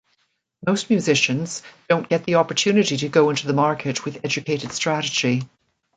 Most musicians don't get the opportunity to go into the market with educated strategy.